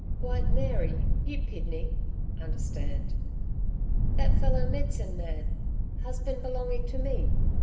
'White Mary you PIDNEY (understand). That fellow medsin man husband belonging to me.